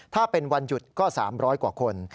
ถ้าเป็นวันหยุดก็๓๐๐กว่าคน